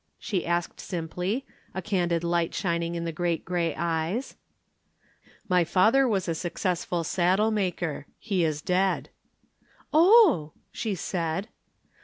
she asked simply, a candid light shining in the great gray eyes. "My father was a successful saddle maker. He is dead." "Oh!" she said.